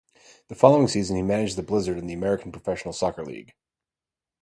The following season he managed the Blizzard in the American Professional Soccer League.